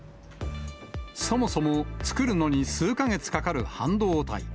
そもそも、作るのに数か月かかる半導体。